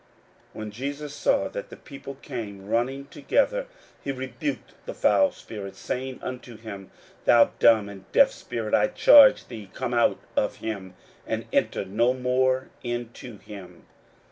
41:009:025 When Jesus saw that the people came running together, he rebuked the foul spirit, saying unto him, Thou dumb and deaf spirit, I charge thee, come out of him, and enter no more into him.